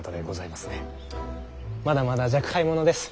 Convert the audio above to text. まだまだ若輩者です。